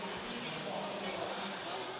ขอบคุณนะครับทุกคน